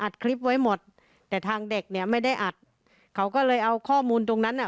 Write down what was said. คลิปไว้หมดแต่ทางเด็กเนี่ยไม่ได้อัดเขาก็เลยเอาข้อมูลตรงนั้นอ่ะ